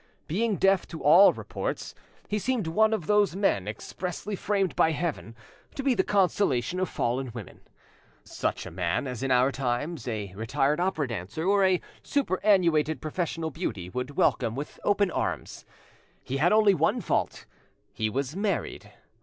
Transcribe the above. Being deaf to all reports, he seemed one of those men expressly framed by heaven to be the consolation of fallen women; such a man as in our times a retired opera dancer or a superannuated professional beauty would welcome with open arms. He had only one fault—he was married.